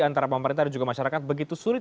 antara pemerintah dan juga masyarakat begitu sulit